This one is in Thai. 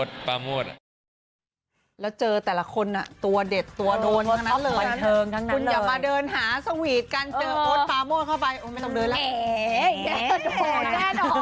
คุณอย่ามาเดินหาสวีทการเจอโอ๊ดปลาโมดเข้าไป